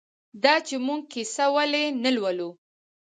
دا چې موږ کیسه ولې نه لولو؟